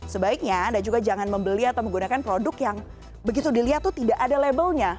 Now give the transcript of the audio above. sebaiknya anda juga jangan membeli atau menggunakan produk yang begitu dilihat itu tidak ada labelnya